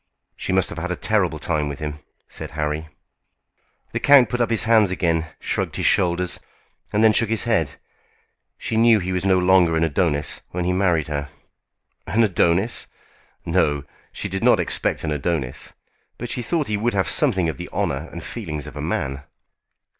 "She must have had a terrible time with him," said Harry. The count put up his hands, again shrugged his shoulders, and then shook his head. "She knew he was no longer an Adonis when he married her." "An Adonis! No; she did not expect an Adonis; but she thought he would have something of the honour and feelings of a man."